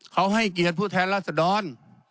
เขาให้เกียรติผู้แทนรัศดร